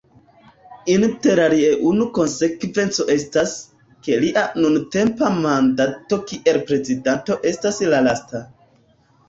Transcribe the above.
Interalie unu konsekvenco estas, ke lia nuntempa mandato kiel prezidento estas la lasta.